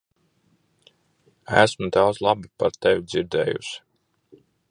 Esmu daudz laba par tevi dzirdējusi.